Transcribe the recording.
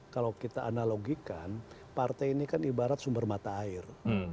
kalau kita analogikan partai ini kan ibarat sumber mata air